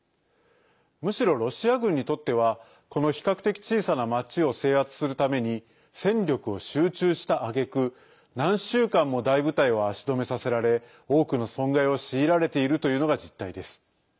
むしろロシア軍にとってはこの比較的小さな町を制圧するために戦力を集中したあげく何週間も大部隊を足止めさせられ多くの損害を強いられているというのが実態です。